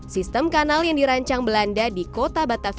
sistem kanal yang dirancang belanda di kota batavia